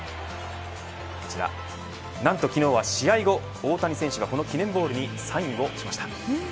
こちら、なんと昨日は試合後大谷選手はこの記念ボールにサインをしました。